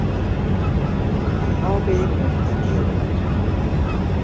خواب منقطع